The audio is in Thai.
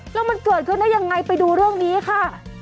แล้วมันเกิดขึ้นได้ยังไงไปดูเรื่องนี้ค่ะ